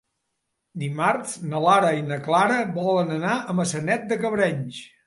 Dimarts na Lara i na Clara volen anar a Maçanet de Cabrenys.